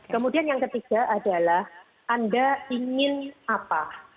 kemudian yang ketiga adalah anda ingin apa